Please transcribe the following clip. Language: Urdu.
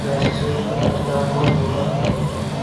تو ایسی سوچ کا پاسدار کون ہو گا؟